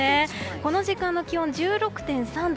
この時間の気温１６．３度。